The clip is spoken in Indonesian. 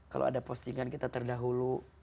kalau ada postingan kita terdahulu